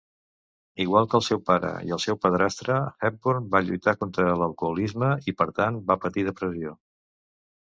Igual que el seu pare i el seu padrastre, Hepburn va lluitar contra l'alcoholisme i, per tant, va patir depressió.